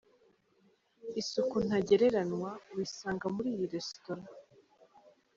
Isuku ntagereranywa uyisanga muri iyi resitora.